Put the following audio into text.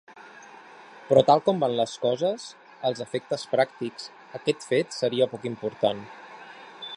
Però tal com van les coses, als efectes pràctics aquest fet seria poc important.